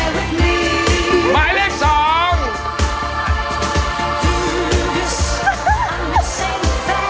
หมายเล่นน้ำเตรียมตัว